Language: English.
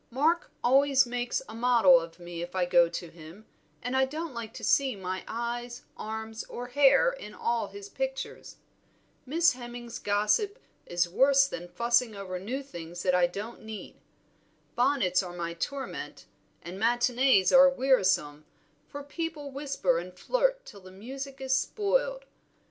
Mark always makes a model of me if I go to him, and I don't like to see my eyes, arms, or hair in all his pictures. Miss Hemming's gossip is worse than fussing over new things that I don't need. Bonnets are my torment, and matinées are wearisome, for people whisper and flirt till the music is spoiled.